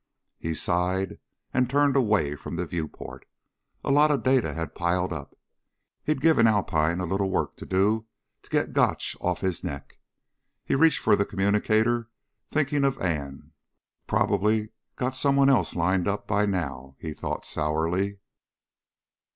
He sighed and turned away from the viewport. A lot of data had piled up. He'd give Alpine a little work to do to get Gotch off his neck. He reached for the communicator thinking of Ann. Probably got someone else lined up by now, he thought sourly.